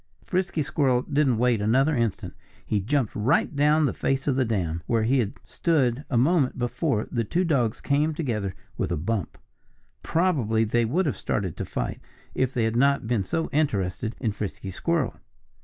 Frisky Squirrel didn't wait another instant. He jumped right down the face of the dam. Where he had stood a moment before the two dogs came together with a bump. Probably they would have started to fight, if they had not been so interested in Frisky Squirrel.